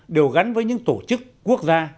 đều gắn với những tổ chức quốc gia